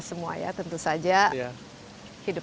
terima kasih banyak bu